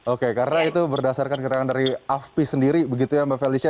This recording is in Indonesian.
oke karena itu berdasarkan keterangan dari afpi sendiri begitu ya mbak felicia